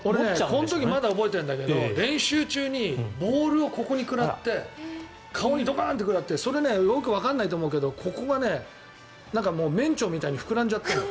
俺、この時まだ覚えているんだけど練習中にボールをここに食らって顔にドカンと食らってそれ、よくわからないと思うけどここが膨らんじゃってるの。